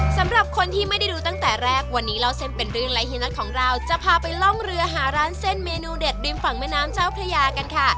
สำหรับคนที่ไม่ได้ดูตั้งแต่แรกวันนี้เล่าเส้นเป็นเรื่องและเฮียน็อตของเราจะพาไปล่องเรือหาร้านเส้นเมนูเด็ดริมฝั่งแม่น้ำเจ้าพระยากันค่ะ